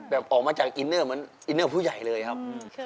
ออกมาจากอินเนอร์เหมือนอินเนอร์ผู้ใหญ่เลยครับ